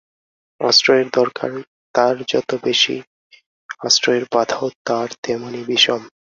আশ্রয়ের দরকার তার যত বেশি আশ্রয়ের বাধাও তার তেমনি বিষম।